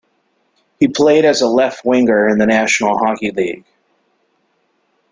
He played as a left winger in the National Hockey League.